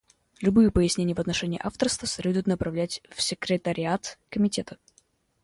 Любые пояснения в отношении авторства следует направлять в секретариат Комитета.